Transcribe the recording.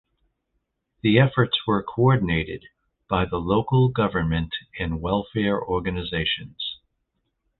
The efforts were coordinated by the local government and welfare organizations.